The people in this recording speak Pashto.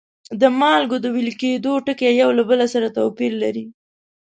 د مالګو د ویلي کیدو ټکي یو له بل سره توپیر لري.